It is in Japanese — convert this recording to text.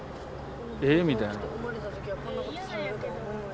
えみたいな。